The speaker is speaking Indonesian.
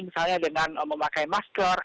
misalnya dengan memakai maskara